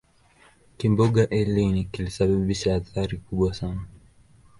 kimbunga eline kilisababisha athari kubwa sana